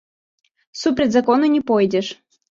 Супраць закону не пойдзеш.